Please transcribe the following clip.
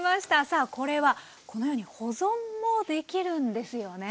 さあこれはこのように保存もできるんですよね。